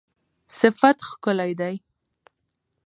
صفت ښکلی دی